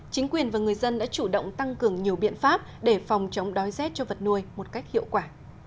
chính quyền và người dân đã chủ động tăng cường nhiều biện pháp để phòng chống đói rét cho vật nuôi một cách hiệu quả